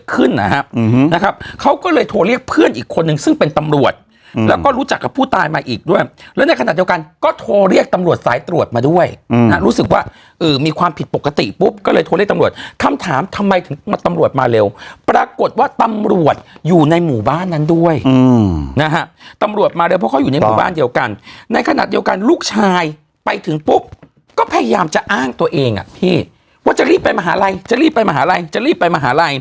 กันก็โทรเรียกตำรวจสายตรวจมาด้วยอืมอ่ะรู้สึกว่าอือมีความผิดปกติปุ๊บก็เลยโทรเรียกตำรวจคำถามทำไมถึงตำรวจมาเร็วปรากฏว่าตำรวจอยู่ในหมู่บ้านนั้นด้วยอืมนะฮะตำรวจมาเร็วเพราะเขาอยู่ในหมู่บ้านเดียวกันในขณะเดียวกันลูกชายไปถึงปุ๊บก็พยายามจะอ้างตัวเองอ่ะพี่ว่าจะรีบไปม